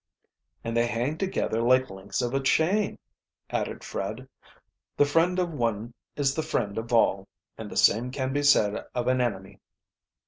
"And they hang together like links of a chain," added Fred. "The friend of one is the friend of all, and the same can be said of an enemy."